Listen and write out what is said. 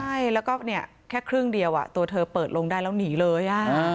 ใช่แล้วก็แค่ครึ่งเดียวตัวเธอเปิดลงได้แล้วหนีเลย